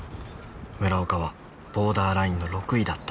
村岡はボーダーラインの６位だった。